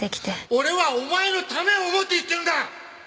俺はお前のためを思って言ってるんだ！